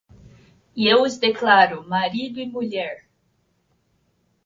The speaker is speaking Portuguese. E eu os declaro: Marido e Mulher.